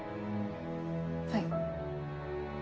はい。